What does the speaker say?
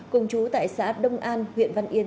cùng chú tại xã đông an huyện văn yên